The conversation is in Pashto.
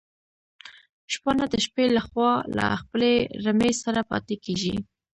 شپانه د شپې لخوا له خپلي رمې سره پاتي کيږي